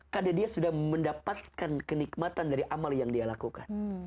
karena dia sudah mendapatkan kenikmatan dari amal yang dia lakukan